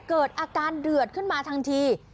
เกิดอาการเดือดขึ้นมาทันที